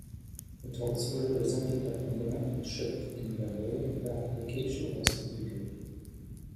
It also represented a fundamental shift in the way the application was configured.